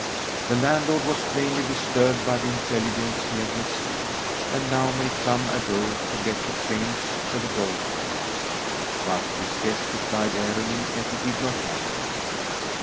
The landlord was plainly disturbed by the intelligence he had received, and now made some ado to get the change for the gold piece, but his guest replied airily that it did not matter.